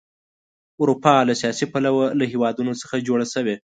اروپا له سیاسي پلوه له هېوادونو څخه جوړه شوې.